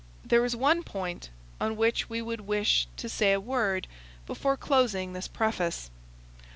There is one point on which we would wish to say a word before closing this preface.